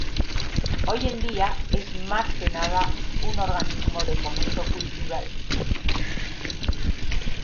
Hoy en día es más que nada un organismo de fomento cultural.